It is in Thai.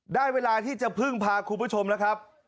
ได้เวลาที่จะพึ่งพาคุณผู้ชมแล้วครับ